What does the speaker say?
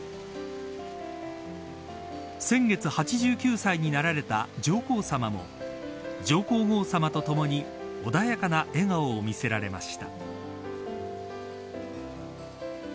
先月８９歳になられた上皇さまも上皇后さまと共に穏やかな笑顔を見せられました。